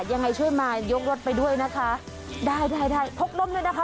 ยังไงช่วยมายกรถไปด้วยนะคะได้ได้พกร่มด้วยนะคะ